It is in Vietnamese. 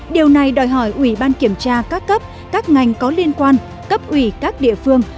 điều này đòi hỏi ủy ban kiểm tra các cấp các ngành có liên quan cấp ủy các địa phương